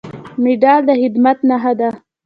مډال د خدمت نښه ده